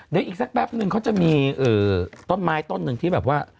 เดี๋ยวอีกสักแป๊บนึงเขาจะมีต้นไม้ต้นหนึ่งที่แบบว่า